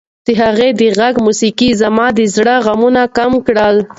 د هغې د غږ موسیقۍ زما د زړه غمونه کم کړل.